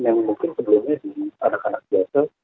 yang mungkin sebelumnya di anak anak biasa